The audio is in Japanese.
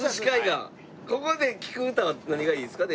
ここで聴く歌は何がいいですか？